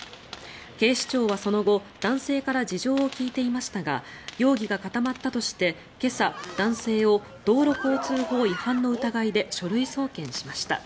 警視庁はその後男性から事情を聴いていましたが容疑が固まったとして今朝、男性を道路交通法違反の疑いで書類送検しました。